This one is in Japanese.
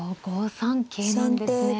三桂なんですね。